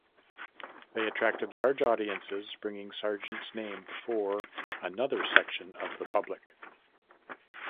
They attracted large audiences bringing Sargent's name before another section of the public.